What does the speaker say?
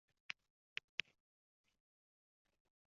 Arzimagan besh-olti soniyada u soatiga yetmish mil tezlikni oldi